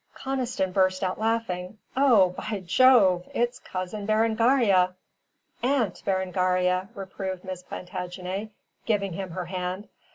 Conniston burst out laughing. "Oh! by Jove! It's Cousin Berengaria." "Aunt Berengaria," reproved Miss Plantagenet, giving him her hand.